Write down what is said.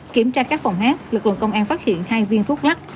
kiểm tra các phòng hát lực lượng công an phát hiện hai viên thuốc lắc